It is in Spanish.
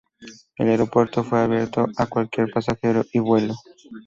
El aeropuerto fue abierto a cualquier pasajero y vuelo.